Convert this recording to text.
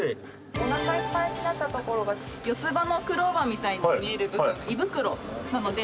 おなかいっぱいになったところが四つ葉のクローバーみたいに見える部分が胃袋なので今。